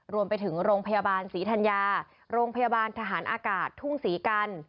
รวมไปถึงโรงพยาบาลศรีธัญญาโรงพยาบาลทหารอากาศทุ่งศรีกัน